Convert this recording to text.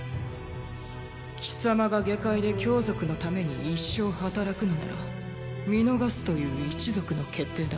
貴様が外界で羌族のために一生働くのなら見逃すという一族の決定だ。